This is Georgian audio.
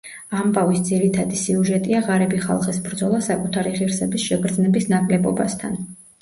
ამბავის ძირითადი სიუჟეტია ღარიბი ხალხის ბრძოლა საკუთარი ღირსების შეგრძნების ნაკლებობასთან.